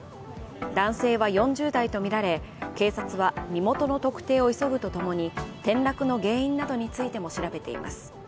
男性は４０代とみられ警察は身元の特定を急ぐとともに転落の原因などについても調べています。